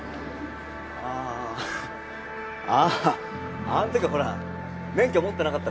あああああん時はほら免許持ってなかったから